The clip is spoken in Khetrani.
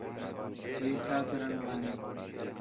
ہے چھا کرݨ والین